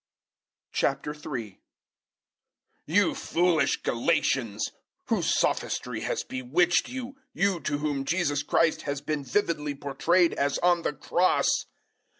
003:001 You foolish Galatians! Whose sophistry has bewitched you you to whom Jesus Christ has been vividly portrayed as on the Cross?